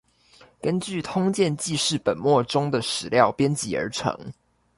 根據通鑑紀事本末中的史料編輯而成